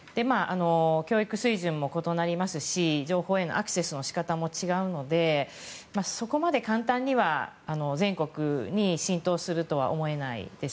教育水準も異なりますし情報へのアクセスの仕方も違うのでそこまで簡単には全国に浸透するとは思えないです。